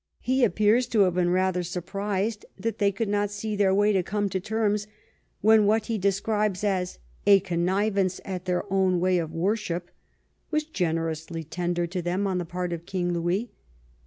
He ap pears to have been rather surprised that they could not see their way to come to terms when what he describes as " a connivance at their own way of worship " was generously tendered to them on the part of King Louis.